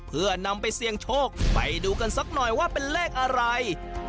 เพื่อนำไปเสี่ยงโชคไปดูกันสักหน่อยว่าเป็นเลขอะไร